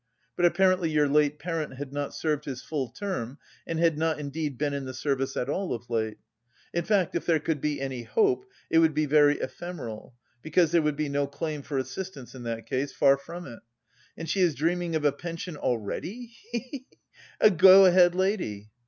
but apparently your late parent had not served his full term and had not indeed been in the service at all of late. In fact, if there could be any hope, it would be very ephemeral, because there would be no claim for assistance in that case, far from it.... And she is dreaming of a pension already, he he he!... A go ahead lady!"